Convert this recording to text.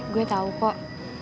gue tau kok